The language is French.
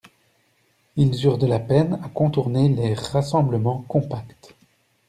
Ils eurent de la peine à contourner les rassemblements compacts.